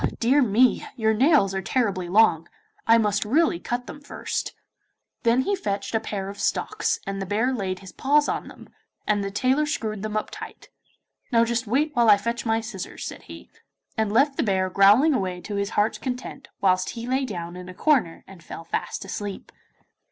Dear me, your nails are terribly long; I must really cut them first.' Then he fetched a pair of stocks, and the bear laid his paws on them, and the tailor screwed them up tight. 'Now just wait whilst I fetch my scissors,' said he, and left the bear growling away to his heart's content, whilst he lay down in a corner and fell fast asleep.